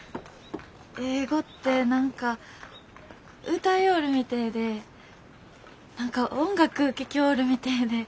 英語って何か歌ようるみてえで何か音楽ぅ聴きょうるみてえで。